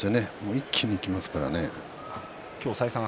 一気にいきますからね。